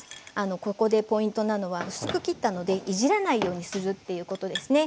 ここでポイントなのは薄く切ったのでいじらないようにするっていうことですね。